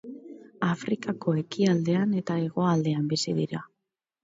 Afrikako ekialdean eta hegoaldean bizi dira.